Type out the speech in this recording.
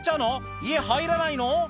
家入らないの？